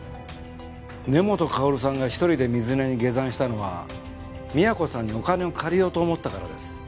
根本かおるさんが１人で水根に下山したのは美也子さんにお金を借りようと思ったからです。